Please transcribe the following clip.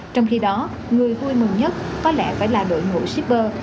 trong khi đó người vui mừng nhất có lẽ phải là đội ngũ shipper